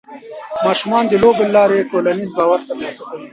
ماشومان د لوبو له لارې ټولنیز باور ترلاسه کوي.